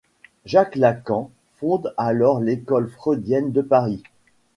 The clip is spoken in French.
Jacques Lacan fonde alors l'École freudienne de Paris.